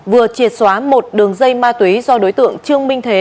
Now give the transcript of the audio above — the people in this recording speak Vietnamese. vừa triệt xóa một đường dây ma túy do đối tượng trương minh thế